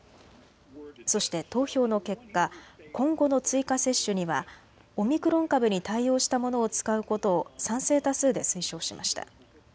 そして投票の結果、今後の追加接種にはオミクロン株に対応したものを使うことを賛成多数で推奨しました。